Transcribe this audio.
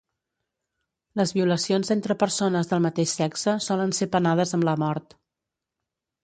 Les violacions entre persones del mateix sexe solen ser penades amb la mort.